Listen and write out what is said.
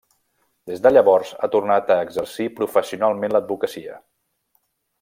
Des de llavors ha tornat a exercir professionalment l'advocacia.